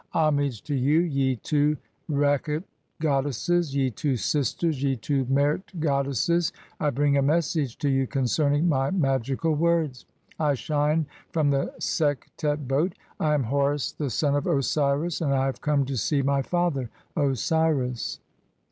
87 "Homage to you, ye two Rekht goddesses, 1 ye two Sisters, ye "two Mert (2) goddesses, I bring a message to you concerning rav "magical words. I shine from the Sektet boat, I am Horus the "son of Osiris, and I have come to see (3) my father Osiris."